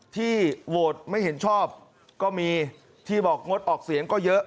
ที่โหวตไม่เห็นชอบก็มีที่บอกงดออกเสียงก็เยอะ